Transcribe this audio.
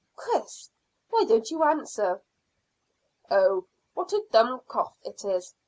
Chris! Why don't you answer? Oh, what a Dummkopf it is!